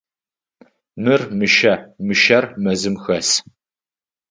Мыр мышъэ, мышъэр мэзым хэс.